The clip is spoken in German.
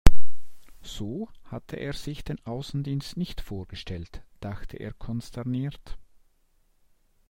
So hatte er sich den Außendienst nicht vorgestellt, dachte er konsterniert.